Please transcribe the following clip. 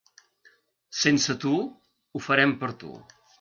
Sense tu, ho farem per tu.